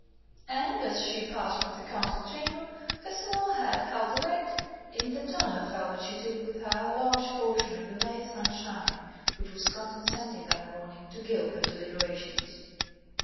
And as she passed from the Council chamber, her small head held erect, even the tanner felt that she took with her a large portion of the May sunshine which was condescending that morning to gild their deliberations.